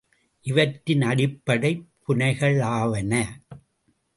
இவற்றின் அடிப்படைப் புனைவுகளாவன.